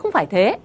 không phải thế